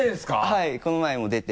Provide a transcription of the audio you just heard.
はいこの前も出て。